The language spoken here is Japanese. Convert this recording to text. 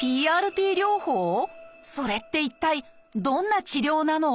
それって一体どんな治療なの？